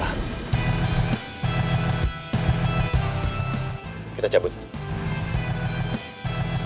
kalau lu gak terima ribut sekarang